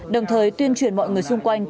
đồng thời tuyên truyền mọi người xung quanh